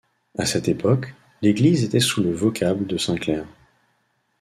À cette époque, l'église était sous le vocable de Saint-Clair.